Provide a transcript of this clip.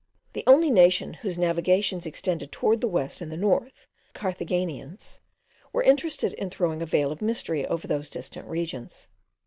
The only nation whose navigations extended toward the west and the north, the Carthaginians, were interested in throwing a veil of mystery over those distant regions.